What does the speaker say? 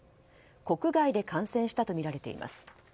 国外で感染したとみられます。